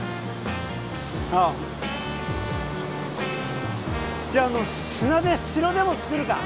ああじゃあ砂で城でも作るか